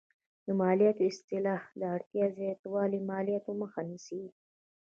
د مالیاتو اصلاح د اړتیا زیاتو مالیاتو مخه نیسي.